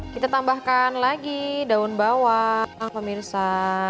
kita tambahkan lagi daun bawang pemirsa